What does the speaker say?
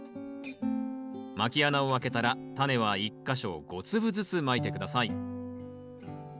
まき穴を開けたらタネは１か所５粒ずつまいて下さい。